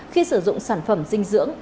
khi sử dụng sản phẩm dinh dưỡng